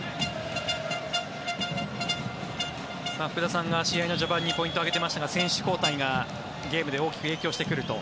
福田さんが試合の序盤にポイントを挙げていましたが選手交代がゲームで大きく影響してくると。